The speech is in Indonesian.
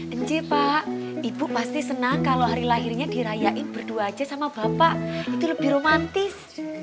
kenci pak ibu pasti senang kalau hari lahirnya dirayain berdua aja sama bapak itu lebih romantis